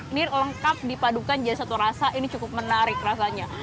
ini lengkap dipadukan jadi satu rasa ini cukup menarik rasanya